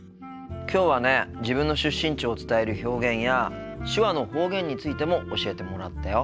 きょうはね自分の出身地を伝える表現や手話の方言についても教えてもらったよ。